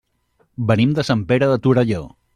Venim de Sant Pere de Torelló.